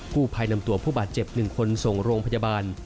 ผู้ภัยนำตัวผู้บาดเจ็บ๑คนส่งโรงพยาบาล